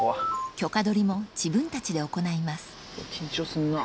許可どりも自分たちで行います